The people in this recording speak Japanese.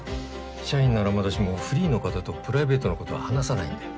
社員ならまだしもフリーの方とプライベートの事は話さないんで。